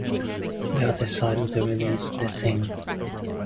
The other side of the release, "The Thing".